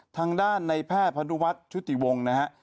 ทางด้านในแพทย์พนุวัฒน์ชุติวงศ์นะฮะ